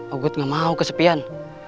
oh gue nggak mau kesepian